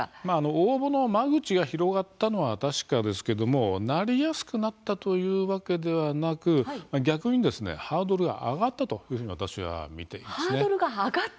応募の間口が広がったというのは確かなんですがなりやすくなったというわけではなく逆にハードルが上がったというふうに私は見ています。